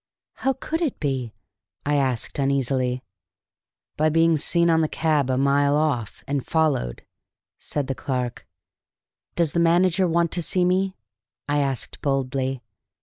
"How could it be?" I asked uneasily. "By being seen on the cab a mile off, and followed," said the clerk. "Does the manager want to see me?" I asked boldly.